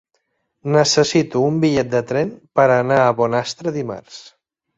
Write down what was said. Necessito un bitllet de tren per anar a Bonastre dimarts.